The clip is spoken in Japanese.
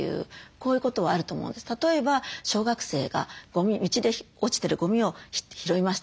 例えば小学生が道で落ちてるゴミを拾いました。